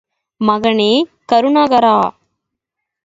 ..... மகனே!.. கருணாகரா.